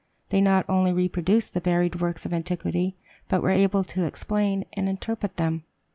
They not only reproduced the buried works of antiquity, but were able to explain and interpret them.